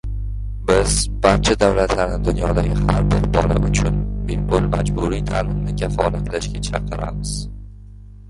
Biz barcha davlatlarni dunyodagi har bir bola uchun bepul majburiy ta’limni kafolatlashga chaqiramiz.